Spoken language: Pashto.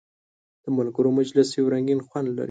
د ملګرو مجلس یو رنګین خوند لري.